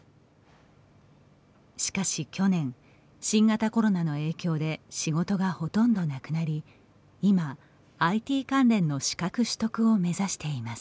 しかし去年、新型コロナの影響で仕事がほとんどなくなり今、ＩＴ関連の資格取得を目指しています。